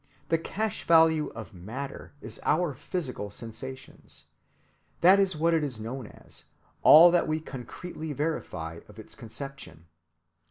The cash‐ value of matter is our physical sensations. That is what it is known as, all that we concretely verify of its conception.